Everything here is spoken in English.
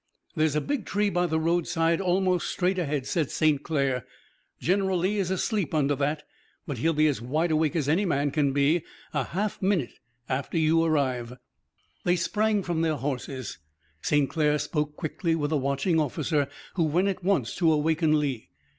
"There's a big tree by the roadside almost straight ahead," said St. Clair. "General Lee is asleep under that, but he'll be as wide awake as any man can be a half minute after you arrive." They sprang from their horses, St. Clair spoke quickly with a watching officer who went at once to awaken Lee.